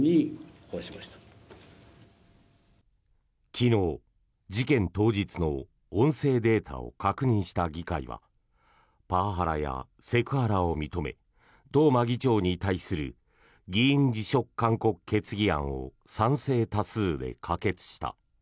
昨日、事件当日の音声データを確認した議会はパワハラやセクハラを認め東間議長に対する議員辞職勧告決議案を賛成多数で可決した。